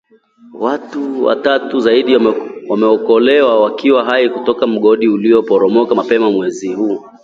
Watu watatu zaidi wameokolewa wakiwa hai kutoka mgodi ulio poromoka mapema mwezi huu